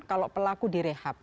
kalau pelaku direhab